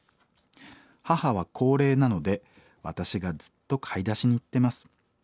母は高齢なので私がずっと買い出しに行ってます。